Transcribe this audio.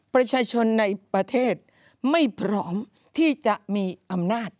ประชาชนในประเทศไม่พร้อมที่จะมีอำนาจ